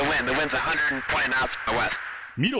見ろ！